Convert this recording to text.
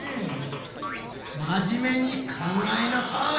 真面目に考えなさい！